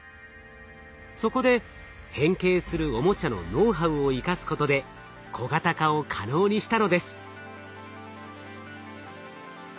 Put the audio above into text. そこで変形するオモチャのノウハウを生かすことで小型化を可能にしたのです。